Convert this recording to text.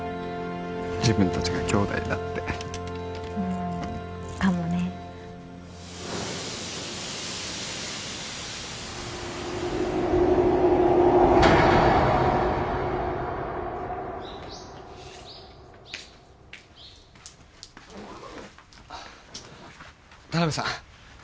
自分たちが兄弟だって・かもね田辺さん